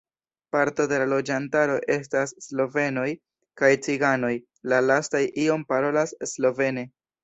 Parto de la loĝantaro estas slovenoj kaj ciganoj, la lastaj iom parolas slovene.